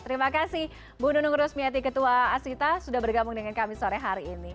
terima kasih bu nunung rusmiati ketua asita sudah bergabung dengan kami sore hari ini